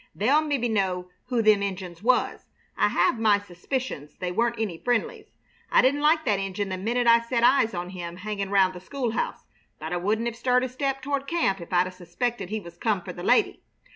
They'll mebbe know who them Injuns was. I have my suspicions they weren't any friendlies. I didn't like that Injun the minute I set eyes on him hanging round the school house, but I wouldn't have stirred a step toward camp if I'd 'a' suspected he was come fur the lady.